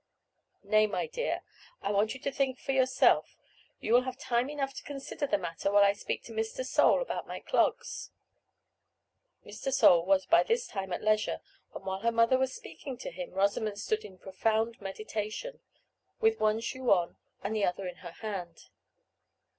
"Nay, my dear, I want you to think for yourself; you will have time enough to consider the matter, while I speak to Mr. Sole about my clogs." Mr. Sole was by this time at leisure, and while her mother was speaking to him, Rosamond stood in profound meditation, with one shoe on, and the other in her hand.